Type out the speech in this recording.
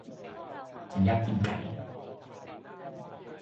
ฉันอยากกินไก่